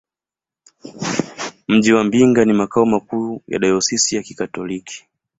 Mji wa Mbinga ni makao makuu ya dayosisi ya Kikatoliki.